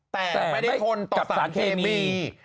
แต่ไม่ได้ทนต่อสารเคมี